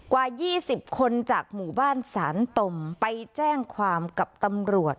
กว่า๒๐คนจากหมู่บ้านสานตมไปแจ้งความกับตำรวจ